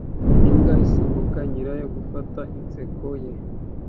Imbwa isimbuka nyirayo gufata inseko ya